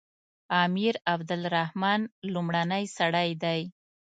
امیر عبدالرحمن لومړنی سړی دی.